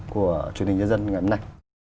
của truyền hình nhân dân ngày hôm nay